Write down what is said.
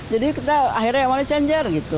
jadi kita akhirnya emangnya changer gitu